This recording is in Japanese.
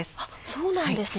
そうなんですね。